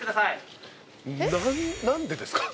何でですか？